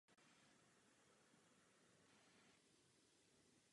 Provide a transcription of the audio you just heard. Možnosti vzdělávání při takto silném postižení jsou většinou silně omezené.